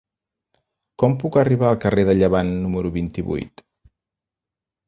Com puc arribar al carrer de Llevant número vint-i-vuit?